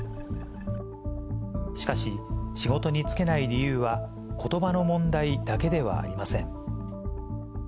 しかし、仕事に就けない理由は、ことばの問題だけではありません。